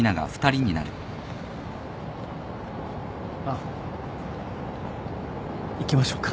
あっ行きましょうか。